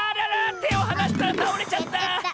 てをはなしたらたおれちゃった！